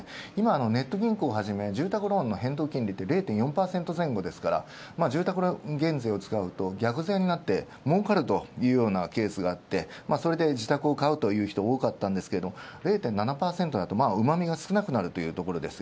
ネット銀行をはじめ住宅ローンの変動金利が０．４％ですから住宅減税を使うと逆税になって儲かるというようなケースがあって、自宅を買うという人が多かったですが０．７％だとうまみが少なくなるというところ。